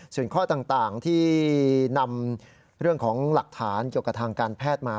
ส่วนข้อต่างที่นำเรื่องของหลักฐานเกี่ยวกับทางการแพทย์มา